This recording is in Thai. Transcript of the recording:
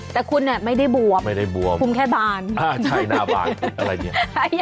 แต่คุณเนี่ยไม่ได้บวมไม่ได้บวมคุมแค่บานอ่าใช่หน้าบานอะไรเนี่ย